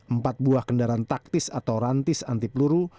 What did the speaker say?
empat buah kendaraan taktis atau rantis anti peluru